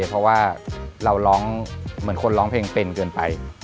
เพราะว่าเราร้องเหมือนคนร้องเพลงเป็นเกินไป